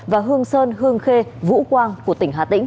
và hương sơn hương khê vũ quang của tỉnh hà tĩnh